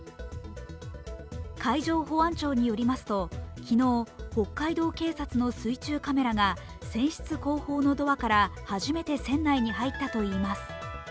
海上保安庁によりますと昨日、北海道警察の水中カメラが船室後方のドアから初めて船内に入ったといいます。